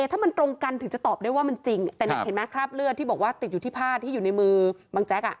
ถ้ามันตรงกันถึงจะตอบได้ว่ามันจริงแต่นี่เห็นไหมคราบเลือดที่บอกว่าติดอยู่ที่ผ้าที่อยู่ในมือบังแจ๊ก